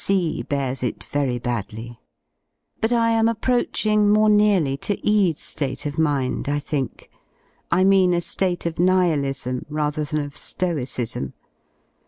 C bears it very badly. But I am approaching more nearly to E 's ^ate of mind, I think; I mean a ^ate 33 »2 <^^ 1/ of Nihilism rather than of Stoicism.